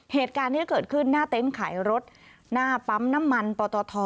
เหตุการณ์นี้เกิดขึ้นหน้าเต็นต์ขายรถหน้าปั๊มน้ำมันปตท